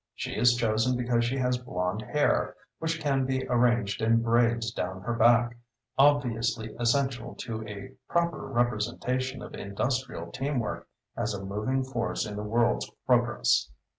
She is chosen because she has blonde hair which can be arranged in braids down her back, obviously essential to a proper representation of industrial team work as a moving force in the world's progress.